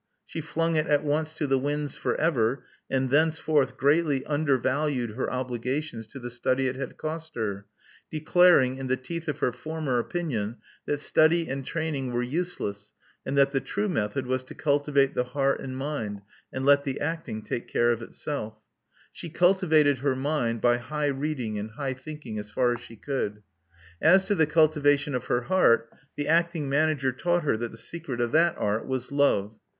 She flung it at once to the winds for ever, and thenceforth greatly undervalued her obligations to the study it had cost her, declaring, in the teeth of her former opinion, that study and training were useless, and that the true method was to cultivate the heart and mind and let the acting take care of itself. She cultivated her mind by high reading and high thinking as far as she could. As to the cultivation of her heart, the acting manager taught her that the secret of that art was love.